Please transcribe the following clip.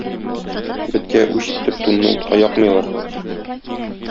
Беткә үч итеп тунны утка якмыйлар